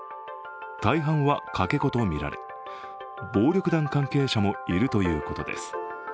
大半はかけ子とみられ、暴力団関係者もいるということです。